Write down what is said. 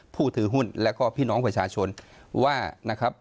ผู้ถือหุ้นแล้วก็พี่น้องประชาชนว่านะครับ